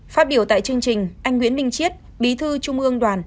phát biểu tại chương trình anh nguyễn minh chiết bí thư trung ương đoàn